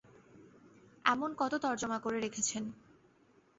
এমন কত তর্জমা করে রেখেছেন?